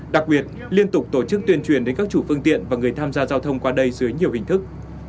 đặc biệt liên tục tổ chức tuyên truyền đến các chủ phương tiện và người tham gia giao thông qua đây dưới nhiều hình thức